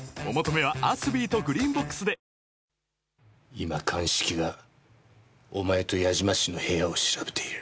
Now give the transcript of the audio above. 今鑑識がお前と八嶋氏の部屋を調べている。